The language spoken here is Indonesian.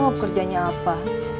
dia bilang kerjanya apa